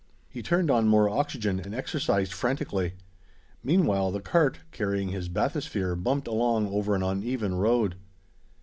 He turned on more oxygen, and exercised frantically. Meanwhile the cart, carrying his bathysphere, bumped along over an uneven road.